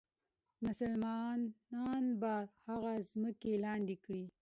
مسلمانان به هغه ځمکې لاندې کړي.